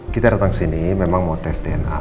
kita datang sini memang mau tes dna